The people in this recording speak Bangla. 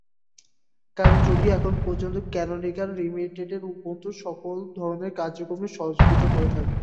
কারণ যদিও এখন পর্যন্ত ক্যানোনিকাল লিমিটেড উবুন্টুর সকল ধরনের কার্যক্রমে সহযোগিতা করে থাকে।